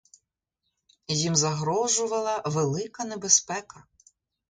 Їм загрожувала велика небезпека.